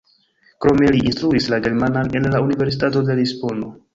Krome li instruis la germanan en la Universitato de Lisbono.